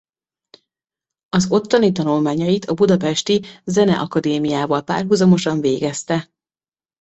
Az ottani tanulmányait a budapesti Zeneakadémiával párhuzamosan végezte.